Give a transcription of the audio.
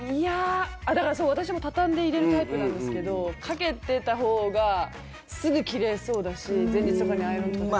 だから、私も畳んで入れるタイプなんですけどかけてたほうがすぐ着れそうだし前日とかにアイロンかけたら。